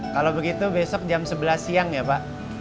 kalau begitu besok jam sebelas siang ya pak